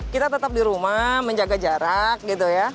kita tetap di rumah menjaga jarak gitu ya